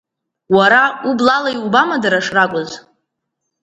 Уара ублала иубама дара шракәыз?